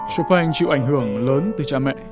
chopin chịu ảnh hưởng lớn từ cha mẹ